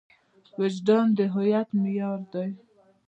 وجدان د هویت معیار دی.